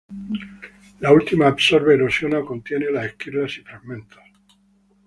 La última absorbe, erosiona o contiene las esquirlas y fragmentos.